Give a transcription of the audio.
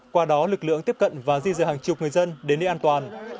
qua đó lực lượng tiếp cận và di dời hàng chục người dân đến nơi an toàn